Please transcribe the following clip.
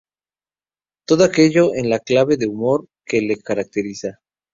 Todo ello en la clave de humor que le caracteriza.